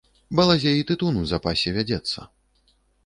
Балазе й тытун у запасе вядзецца.